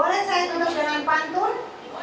boleh saya tulus dengan pantun